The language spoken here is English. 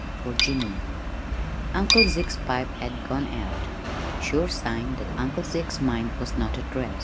For Jimmy Uncle Zeke's pipe had gone out sure sign that Uncle Zeke's mind was not at rest.